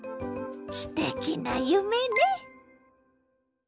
すてきな夢ね！